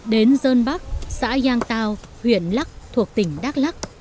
đến dân bắc xã giang tàu huyện lắc thuộc tỉnh đắk lắc